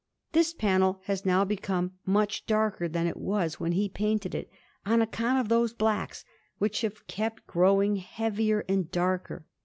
This panel has now become much darker than it was when he painted it, on account of those blacks, which have kept growing heavier and darker.